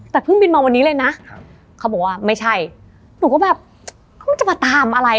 แต่เพิ่งบินมาวันนี้เลยนะครับเขาบอกว่าไม่ใช่หนูก็แบบเขาจะมาตามอะไร